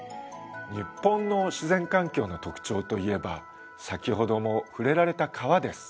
日本の自然環境の特徴といえば先ほども触れられた川です。